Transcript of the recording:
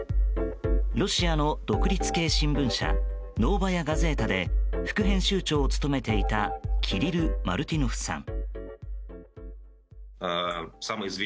ロシアの独立系新聞社ノーバヤ・ガゼータで副編集長を務めていたキリル・マルティノフさん。